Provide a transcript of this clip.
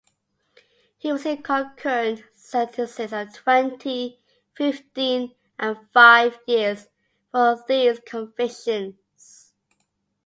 He received concurrent sentences of twenty, fifteen and five years for these convictions.